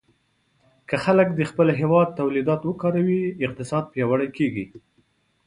که خلک د خپل هېواد تولیدات وکاروي، اقتصاد پیاوړی کېږي.